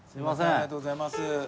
ありがとうございます。